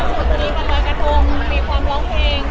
แล้วส่วนตอนนี้คุณรอยกระทงมีความร้องเพลง